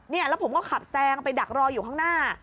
แล้วผมก็ขับแซงไปดักรออยู่ข้างหน้า